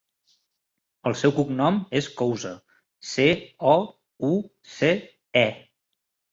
El seu cognom és Couce: ce, o, u, ce, e.